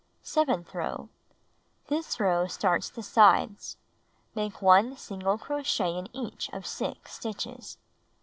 Seventh row: This row starts the sides. Make 1 single crochet in each of 6 stitches.